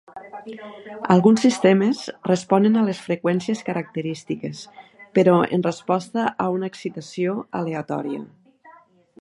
Alguns sistemes responen a les freqüències característiques, però en resposta a una excitació aleatòria.